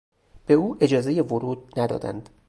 به او اجازهی ورود ندادند.